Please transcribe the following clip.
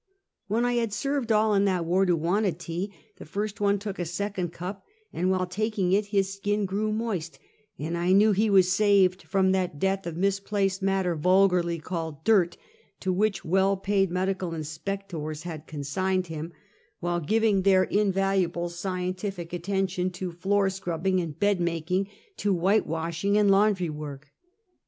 When I had served all in that ward who wanted tea, the first one took a second cup, and while taking it his skin grew moist, and I knew he was saved from that death of misplaced matter vulgarly called " dirt," to which well paid medical inspectors had consigned him, while giv 278 Half a Century. ing their invaluable scientific attention to floor scrub bing and bed making, to whitewashing and laundry work.